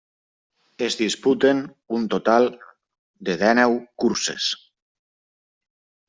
Es disputen un total de dinou curses.